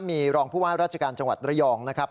มีรองผู้ว่าราชการจังหวัดระยองนะครับ